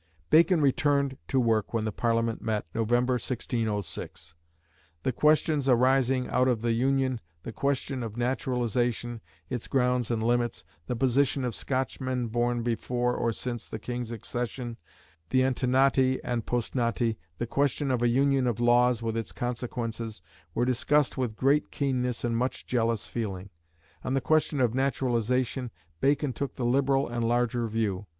Bacon returned to work when the Parliament met, November, 1606. The questions arising out of the Union, the question of naturalisation, its grounds and limits, the position of Scotchmen born before or since the King's accession, the Antenati and Postnati, the question of a union of laws, with its consequences, were discussed with great keenness and much jealous feeling. On the question of naturalisation Bacon took the liberal and larger view.